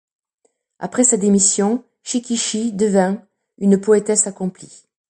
Après sa démission Shikishi devient une poétesse accomplie.